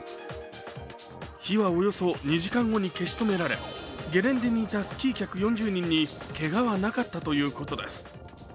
火はおよそ２時間後に消し止められゲレンデにいたスキー客４０人にけがはなかったということです。